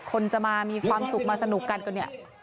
คนจะมามีความสุขมาสนุกกันก็เนี่ย